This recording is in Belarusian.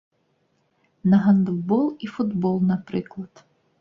На гандбол і футбол, напрыклад.